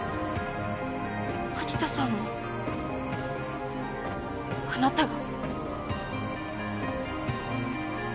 槙田さんもあなたが？